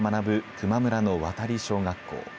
球磨村の渡小学校。